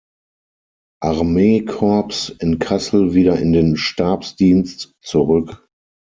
Armeekorps in Kassel wieder in den Stabsdienst zurück.